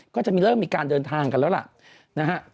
ก็จะเริ่มมีการเดินทางกันแล้วล่ะนะฮะ